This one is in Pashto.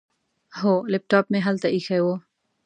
هو، لیپټاپ مې هلته ایښی و.